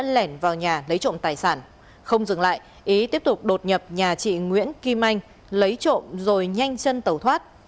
lấy trộm tài sản không dừng lại ý tiếp tục đột nhập nhà chị nguyễn kim anh lấy trộm rồi nhanh chân tàu thoát